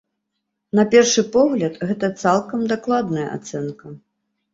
На першы погляд, гэта цалкам дакладная ацэнка.